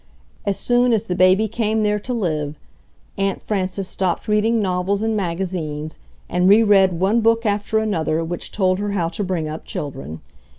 As soon as the baby came there to live, Aunt Frances stopped reading novels and magazines, and re read one book after another which told her how to bring up children.